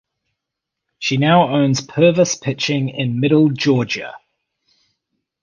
She now owns Purvis Pitching in Middle Georgia.